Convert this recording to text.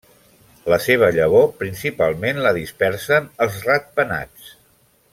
La seva llavor principalment la dispersen els ratpenats.